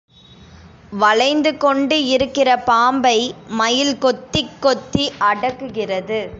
வளைந்து கொண்டு இருக்கிற பாம்பை மயில் கொத்திக் கொத்தி அடக்குகிறது.